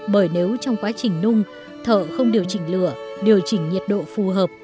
bởi nếu trong quá trình nung thợ không điều chỉnh lửa điều chỉnh nhiệt độ phù hợp